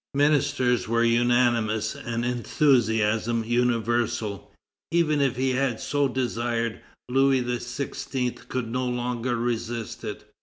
Ministers were unanimous, and enthusiasm universal. Even if he had so desired, Louis XVI. could no longer resist it.